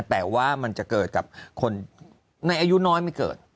แต่ว่ามันจะเกิดกับคนในอายุน้อยไม่เกิด